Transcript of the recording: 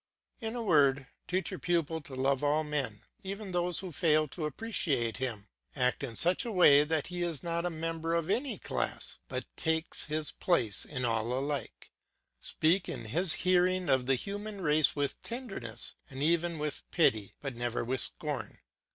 In a word, teach your pupil to love all men, even those who fail to appreciate him; act in such way that he is not a member of any class, but takes his place in all alike: speak in his hearing of the human race with tenderness, and even with pity, but never with scorn.